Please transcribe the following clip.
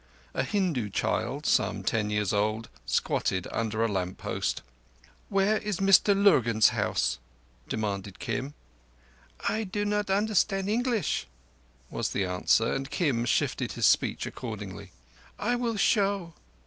A Hindu child, some ten years old, squatted under a lamp post. "Where is Mr Lurgan's house?" demanded Kim. "I do not understand English," was the answer, and Kim shifted his speech accordingly. "I will show."